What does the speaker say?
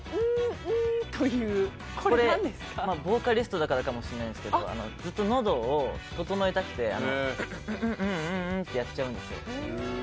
ボーカリストだからかもしれないですけどずっとのどを整えたくてんんってやっちゃうんです。